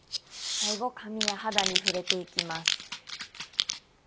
その後、髪や肌に触れていきます。